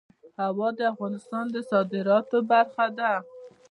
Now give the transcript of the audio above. هوا د افغانستان د صادراتو برخه ده.